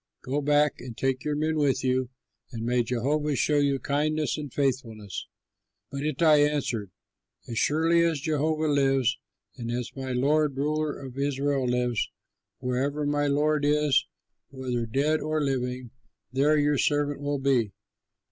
Go back and take your men with you, and may Jehovah show you kindness and faithfulness." But Ittai answered, "As surely as Jehovah lives and as my lord the ruler of Israel lives, wherever my lord is, whether dead or living, there your servant will be!"